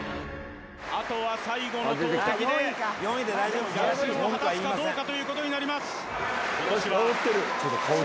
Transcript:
あとは最後の投てきで、果たすかどうかということになります。